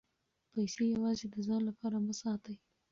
پیسې یوازې د ځان لپاره مه ساتئ.